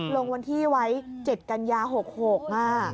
ลงวันที่ไว้๗กันยา๖๖อ่ะ